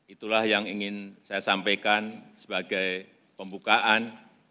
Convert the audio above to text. itulah yang ingin saya sampaikan sebagai pembukaan